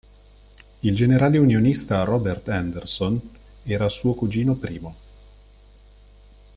Il generale unionista Robert Anderson era suo cugino primo.